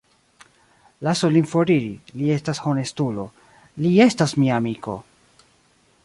Lasu lin foriri; li estas honestulo; li estas mia amiko!